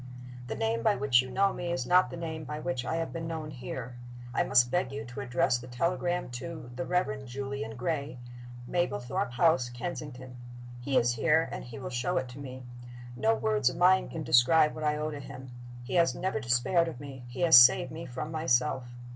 "The name by which you know me is not the name by which I have been known here. I must beg you to address the telegram to 'The Reverend Julian Gray, Mablethorpe House, Kensington.' He is here, and he will show it to me. No words of mine can describe what I owe to him. He has never despaired of me he has saved me from myself.